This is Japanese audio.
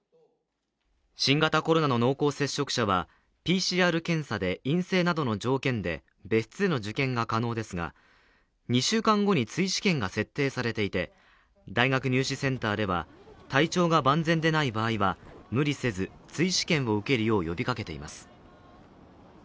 新型コロナの濃厚接触者はＰＣＲ検査で陰性などの条件で別室での受験が可能ですが、２週間後に追試験が設定されていて大学入試センターでは、体調が万全でない場合は、無理せず追試験を受けるよう呼びかけています。